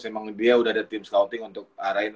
emang dia udah ada tim scouting untuk arahin